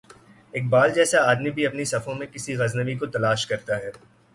اقبال جیسا آدمی بھی اپنی صفوں میں کسی غزنوی کو تلاش کرتا ہے۔